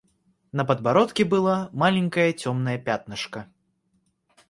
На подбородке было маленькое темное пятнышко.